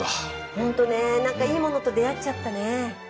ホントねなんかいいものと出会っちゃったね。